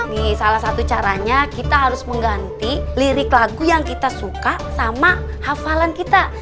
nih salah satu caranya kita harus mengganti lirik lagu yang kita suka sama hafalan kita